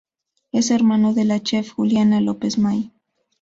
Es hermano de la chef Juliana López May.